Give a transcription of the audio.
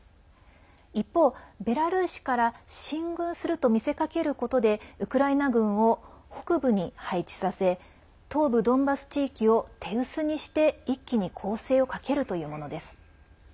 一方、ベラルーシから進軍すると見せかけることでウクライナ軍を北部に配置させ東部ドンバス地域を手薄にして一気に攻勢をかけるというものです。